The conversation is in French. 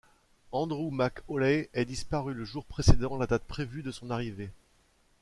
Andrew McAuley est disparu le jour précédant la date prévue de son arrivée.